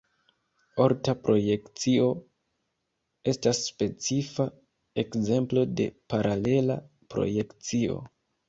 Orta projekcio estas specifa ekzemplo de paralela projekcio.